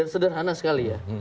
sederhana sekali ya